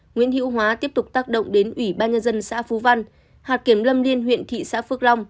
nguyễn hữu hóa tiếp tục tác động đến ủy ban nhân dân xã phú văn hạt kiểm lâm liên huyện thị xã phước long